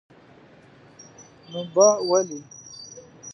نو با ولي?